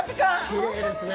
きれいですね！